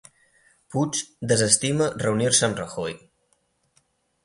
Puig desestima reunir-se amb Rajoy